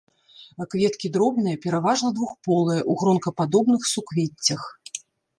Кветкі дробныя, пераважна двухполыя, у гронкападобных суквеццях.